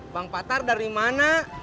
bang patar dari mana